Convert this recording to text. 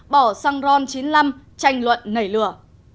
bỏ xăng ron chín mươi năm tranh luận nảy lửa